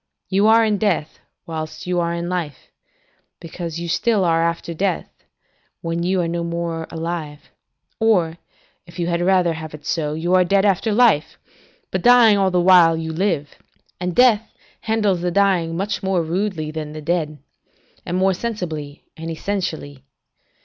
You are in death, whilst you are in life, because you still are after death, when you are no more alive; or, if you had rather have it so, you are dead after life, but dying all the while you live; and death handles the dying much more rudely than the dead, and more sensibly and essentially.